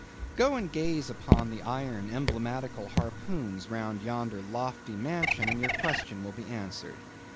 Go and gaze upon the iron emblematical harpoons round yonder lofty mansion, and your question will be answered.